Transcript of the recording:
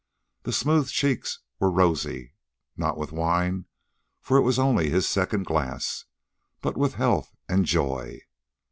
The smooth cheeks were rosy not with wine, for it was only his second glass but with health and joy.